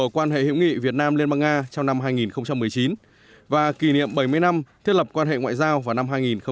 quan hệ hữu nghị việt nam liên bang nga trong năm hai nghìn một mươi chín và kỷ niệm bảy mươi năm thiết lập quan hệ ngoại giao vào năm hai nghìn hai mươi